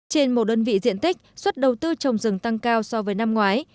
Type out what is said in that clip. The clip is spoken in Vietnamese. trên một đơn vị diện tích suất đầu tư trồng rừng tăng cao so với năm ngoái